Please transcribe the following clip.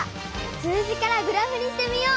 数字からグラフにしてみよう！